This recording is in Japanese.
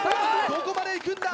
どこまで行くんだ？